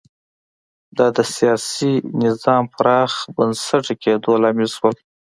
دا د سیاسي نظام پراخ بنسټه کېدو لامل شول